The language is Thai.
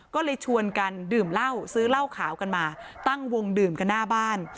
ก็เลยชวนกันดื่มเหล้าซื้อเหล้าขาวกันมาตั้งวงดื่มกันหน้าบ้าน